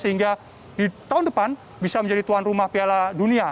sehingga di tahun depan bisa menjadi tuan rumah piala dunia